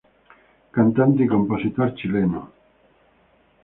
Cantante y compositor chileno.